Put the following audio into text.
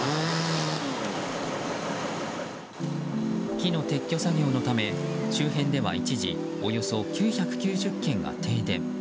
木の撤去作業のため、周辺では一時およそ９９０軒が停電。